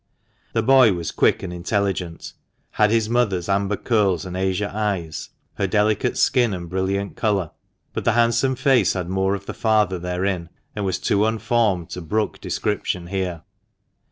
The boy was quick and intelligent, had his mother's amber curls and azure eyes, her delicate skin and brilliant colour, but the handsome face had more of the father therein, and was too unformed to brook description here.